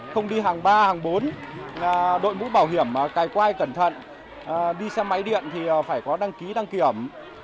không đi hàng ba hàng bốn đội mũ bảo hiểm cày quay cẩn thận đi xe máy điện thì phải có đăng ký đăng kiểm